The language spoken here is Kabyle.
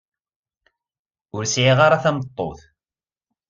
Ur sɛiɣ ara tameṭṭut.